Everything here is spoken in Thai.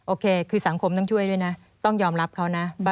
โอเคคือสังคมต้องช่วยด้วยนะต้องยอมรับเขานะ